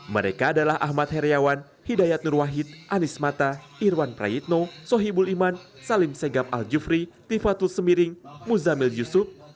mereka adalah ahmad heriawan hidayat nur wahid anies mata irwan prayitno sohibul iman salim segap al jufri tifatul semiring muzamil yusuf